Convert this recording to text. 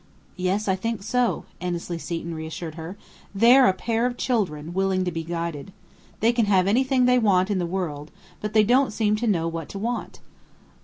"Yes, I think so," Annesley Seton reassured her. "They're a pair of children, willing to be guided. They can have anything they want in the world, but they don't seem to know what to want."